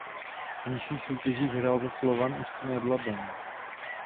V nižších soutěžích hrál za Slovan Ústí nad Labem.